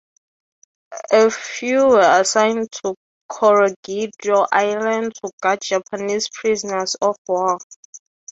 A few were assigned to Corregidor Island to guard Japanese prisoners of war.